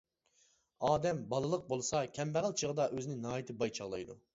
ئادەم بالىلىق بولسا، كەمبەغەل چېغىدا ئۆزىنى ناھايىتى باي چاغلايدۇ.